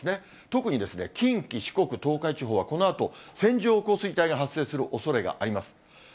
特にですね、近畿、四国、東海地方は、このあと、線状降水帯が発生するおそれがあります。